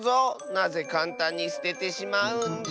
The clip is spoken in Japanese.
なぜかんたんにすててしまうんじゃ！